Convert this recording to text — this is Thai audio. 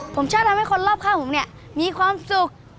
ผมชอบทำให้คนรอบข้างผมเนี่ยมีความสุข